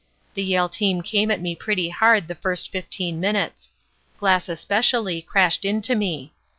The Yale team came at me pretty hard the first fifteen minutes. Glass especially crashed into me.